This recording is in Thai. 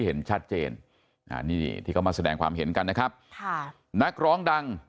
เห็นชัดเจนอ่านี่ที่เขามาแสดงความเห็นกันนะครับค่ะนักร้องดัง